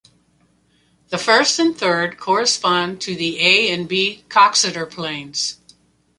The first and third correspond to the A and B Coxeter planes.